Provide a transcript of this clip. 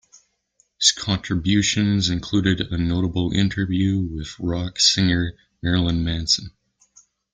His contributions include a notable interview with rock singer Marilyn Manson.